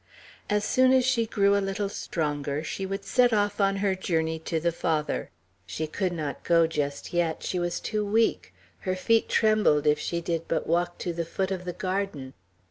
As soon as she grew a little stronger, she would set off on her journey to the Father; she could not go just yet, she was too weak; her feet trembled if she did but walk to the foot of the garden.